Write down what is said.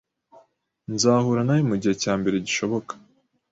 Nzahura nawe mugihe cyambere gishoboka